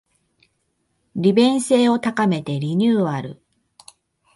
利便性を高めてリニューアル